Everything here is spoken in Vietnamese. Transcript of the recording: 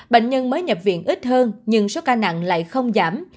bệnh nhân mới nhập viện ít hơn nhưng số ca nặng lại không giảm